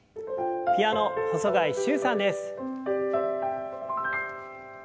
ピアノ細貝柊さんです。